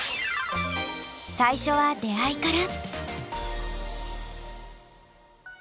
最初は出会いから。